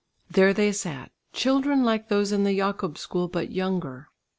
There they sat, children like those in the Jakob School, but younger.